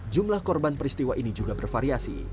jumlah korban peristiwa ini juga bervariasi